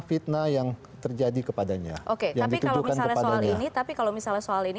kegiatan yang terjadi di perusahaan